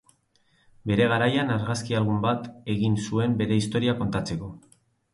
Bere garaian argazki album bat egin zuen bere historia kontatzeko.